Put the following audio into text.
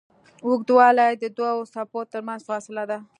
اوږدوالی د دوو څپو تر منځ فاصله ده.